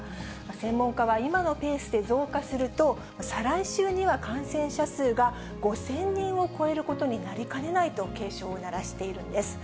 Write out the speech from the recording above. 専門家は、今のペースで増加すると、再来週には感染者数が５０００人を超えることになりかねないと警鐘を鳴らしているんです。